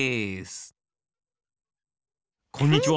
こんにちは！